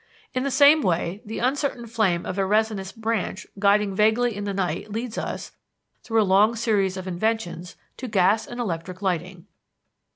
In the same way, the uncertain flame of a resinous branch guiding vaguely in the night leads us, through a long series of inventions, to gas and electric lighting.